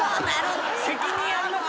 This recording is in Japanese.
責任ありますよ。